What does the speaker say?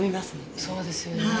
そうですよね。